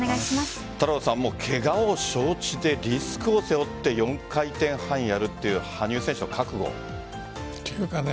太郎さんケガを承知でリスクを背負って４回転半やるという羽生選手の覚悟。